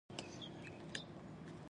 د ځمکې جاذبه هر شی ښکته راکاږي.